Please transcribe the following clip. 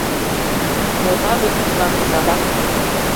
— Но таве вӱдлан садак ок шу...